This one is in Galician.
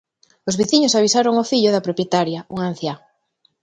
Os veciños avisaron o fillo da propietaria, unha anciá.